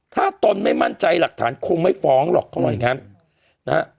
ถ้าตนไม่มั่นใจหลักฐานคงไม่ฟ้องหรอกครับ